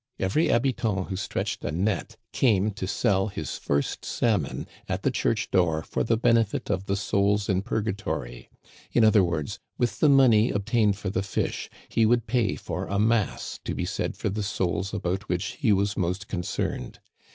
Every habitant who stretched a net came to sell his first salmon at the church door for the benefit of the souls in purgatory ; in other words, with the money obtained for the fish he would pay for a mass to be said for the souls about which he was most con cerned.